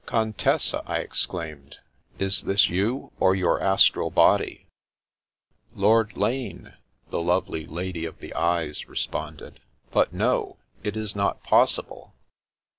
" Contessa !" I exclaimed. " Is tiiis you, or your astral body ?" "Lord Lane!" the lovely lady of the eyes re sponded. " But no, it is not possible